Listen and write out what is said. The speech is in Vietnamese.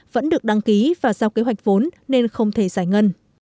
vẫn được đăng ký và giao kế hoạch vốn nên không thể giải ngân